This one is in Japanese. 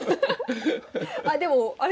あでもあれ？